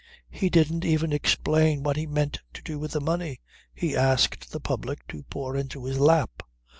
He didn't even explain what he meant to do with the money he asked the public to pour into his lap.